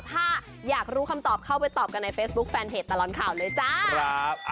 ถ้าอยากรู้คำตอบเข้าไปตอบกันในเฟซบุ๊คแฟนเพจตลอดข่าวเลยจ้า